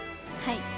はい。